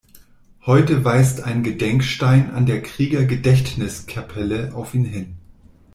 Heute weist ein Gedenkstein an der Kriegergedächtniskapelle auf ihn hin.